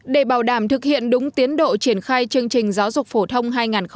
để bảo đảm thực hiện đúng tiến độ triển khai chương trình giáo dục phổ thông hai nghìn một mươi tám